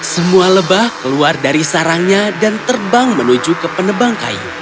semua lebah keluar dari sarangnya dan terbang menuju ke penebang kayu